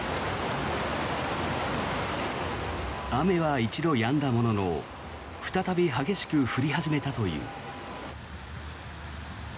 雨は一度やんだものの再び激しく降り始めたという。